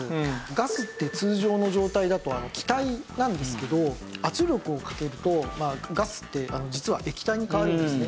ガスって通常の状態だと気体なんですけど圧力をかけるとガスって実は液体に変わるんですね。